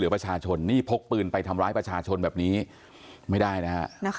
พกปืนไปทำร้ายประชาชนแบบนี้ไม่ได้นะ